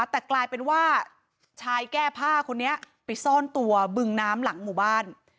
แต่กลายเป็นว่าชายแก้ผ้าคนนี้ไปซ่อนตัวบึงน้ำหลังหมู่บ้าน